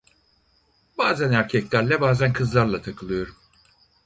Bazen erkeklerle bazen kızlarla takılıyorum.